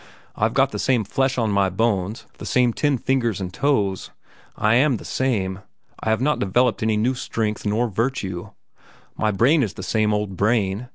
I've got the same flesh on my bones, the same ten fingers and toes. I am the same. I have not developed any new strength nor virtue. My brain is the same old brain.